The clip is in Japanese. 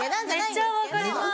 めっちゃ分かります。